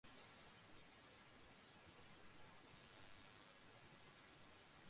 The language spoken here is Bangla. কিছু আর্মেনীয় জাতীয়তাবাদী নাগোর্নো-কারাবাখকে "সংযুক্ত আর্মেনিয়ার প্রথম পর্যায়" বলে মনে করেন।